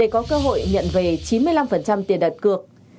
có cơ hội nhận về chín mươi năm tiền đặt cược